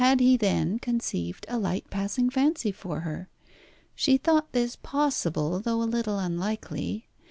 Had he, then, conceived a light passing fancy for her? She thought this possible, though a little unlikely.